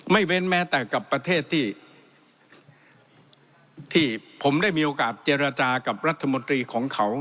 เว้นแม้แต่กับประเทศที่ผมได้มีโอกาสเจรจากับรัฐมนตรีของเขา